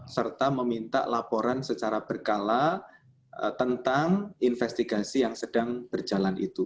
serta meminta laporan secara berkala tentang investigasi yang sedang berjalan itu